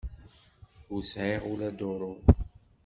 Ur sɛiɣ ula duru.